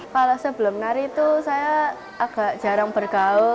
kalau sebelum nari itu saya agak jarang bergaul